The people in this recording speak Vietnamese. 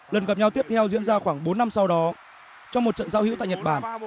lần gặp nhau tiếp theo diễn ra khoảng bốn năm sau đó trong một trận giao hữu tại nhật bản